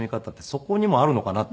そこにもあるのかなって。